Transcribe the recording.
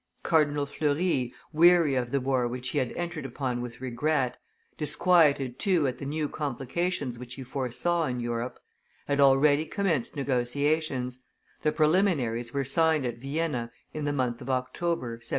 Cardinal Fleury, weary of the war which he had entered upon with regret, disquieted too at the new complications which he foresaw in Europe, had already commenced negotiations; the preliminaries were signed at Vienna in the month of October, 1735.